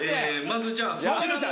まずじゃあ。